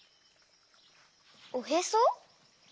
おへそ？